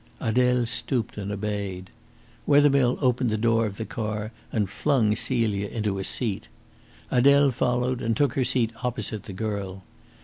Adele stooped and obeyed. Wethermill opened the door of the car and flung Celia into a seat. Adele followed and took her seat opposite the girl.